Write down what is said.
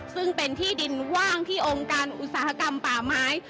ซึ่งเป็นที่ดินว่างที่องค์การอุตสาหกรรมป่าไม้